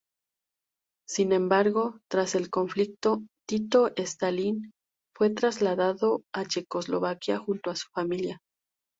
Sin embargo, tras el conflicto Tito-Stalin fue trasladado a Checoslovaquia junto a su familia.